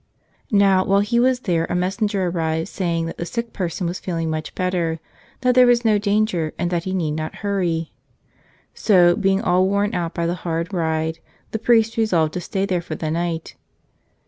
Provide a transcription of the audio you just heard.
Now, while he was there a messenger arrived say¬ ing that the sick person was feeling much better, that there was no danger, and that he need not hurry. So, being all worn out by the hard ride, the priest resolved to stay there for the night.